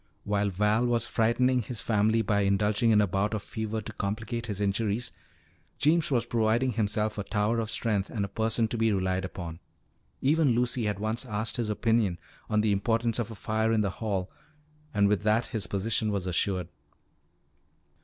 While Val was frightening his family by indulging in a bout of fever to complicate his injuries, Jeems was proving himself a tower of strength and a person to be relied upon. Even Lucy had once asked his opinion on the importance of a fire in the hall, and with that his position was assured.